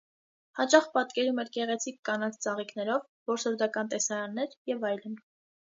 Հաճախ պատկերում էր գեղեցիկ կանանց ծաղիկներով, որսորդական տեսարաններ և այլն։